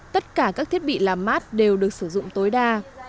tất cả các thiết bị làm mát đều được sử dụng tối đa